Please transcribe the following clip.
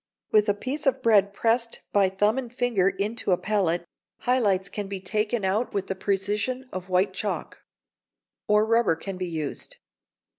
With a piece of bread pressed by thumb and finger into a pellet, high lights can be taken out with the precision of white chalk; or rubber can be used.